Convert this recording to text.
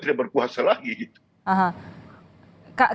dan yang berkuasa sekarang beliau berkuasa lain